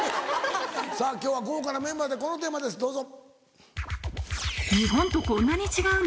さぁ今日は豪華なメンバーでこのテーマですどうぞ。